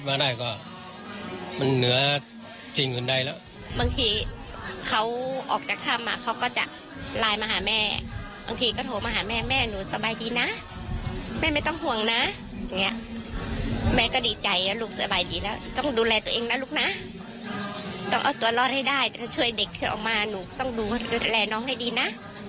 ช่วยเด็กออกมาหนูต้องดูแลน้องให้ดีนะ